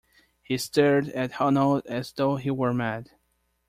He stared at Hanaud as though he were mad.